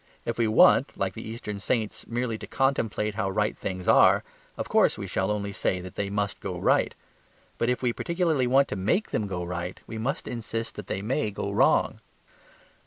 If we want, like the Eastern saints, merely to contemplate how right things are, of course we shall only say that they must go right. But if we particularly want to MAKE them go right, we must insist that they may go wrong.